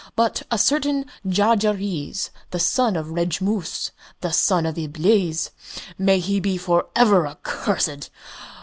But a certain Jarjarees, the son of Rejmoos, the son of Iblees may he be for ever accursed!